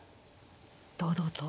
堂々と。